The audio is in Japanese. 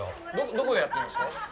どこでやってるんですか？